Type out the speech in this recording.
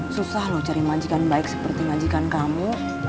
susah loh cari majikan baik seperti majikan kamu